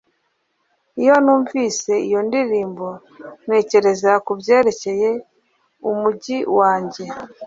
Iyo numvise iyo ndirimbo ntekereza kubyerekeye umujyi wanjye